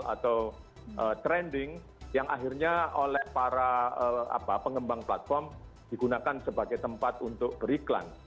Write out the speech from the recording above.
atau trending yang akhirnya oleh para pengembang platform digunakan sebagai tempat untuk beriklan